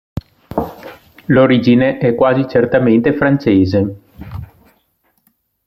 L'origine è quasi certamente francese.